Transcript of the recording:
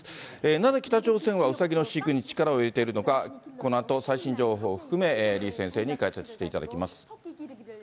なぜ北朝鮮はうさぎの飼育に力を入れているのか、このあと最新情報を含め、李先生に解説していただきます。